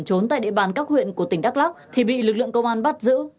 trốn tại địa bàn các huyện của tỉnh đắk lắc thì bị lực lượng công an bắt giữ